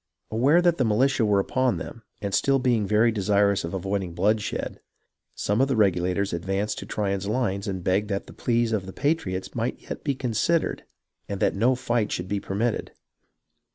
Aware that the militia were upon them, and still being very desirous of avoiding bloodshed, some of the Regulators advanced to Tryon's lines and begged that the pleas of the patriots might yet be considered and that no fight should be permitted.